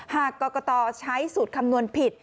หากกตใช้สูตรคำนวณผิด